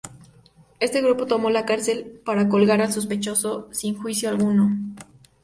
Este grupo tomó la cárcel para colgar al sospechoso sin juicio alguno.